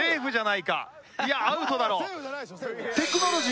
「いやアウトだろ」。